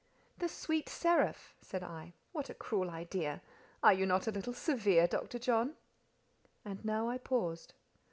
"The sweet seraph!" said I. "What a cruel idea! Are you not a little severe, Dr. John?" And now I paused.